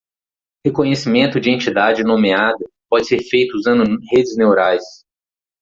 Reconhecimento de Entidade Nomeada pode ser feito usando Redes Neurais.